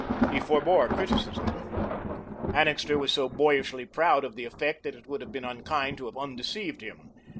He forebore criticism. Annixter was so boyishly proud of the effect that it would have been unkind to have undeceived him.